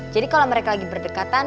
jadi kalau mereka lagi berdekatan